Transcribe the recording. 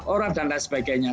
orang dan lain sebagainya